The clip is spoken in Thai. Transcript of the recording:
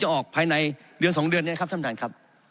จะออกภายในเดือนสองเดือนเนี่ยครับท่านครับ